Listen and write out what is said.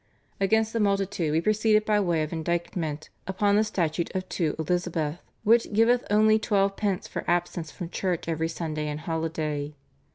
Against the multitude we proceeded by way of indictment upon the Statute of 2 Elizabeth, which giveth only twelve pence for absence from church every Sunday and holiday.